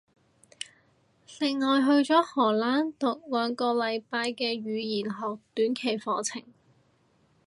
另外去咗荷蘭讀兩個禮拜嘅語言學短期課程